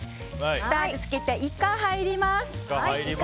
下味をつけたイカが入ります。